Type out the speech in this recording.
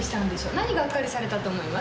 何にがっかりされたと思います？